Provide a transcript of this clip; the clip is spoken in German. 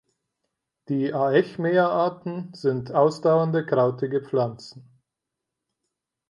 Die "Aechmea"-Arten sind ausdauernde krautige Pflanzen.